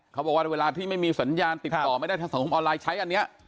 เขาบอกว่าเวลาที่ไม่มีสัญญาณติดต่อไม่ได้ทางสังคมออนไลน์ใช้อันนี้